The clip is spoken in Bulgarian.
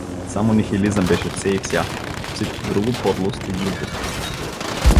Само нихилизмът беше все и вся: всичко друго — подлост и глупост!